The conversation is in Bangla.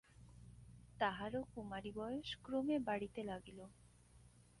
তাহারও কুমারী বয়স ক্রমে বাড়িতে লাগিল।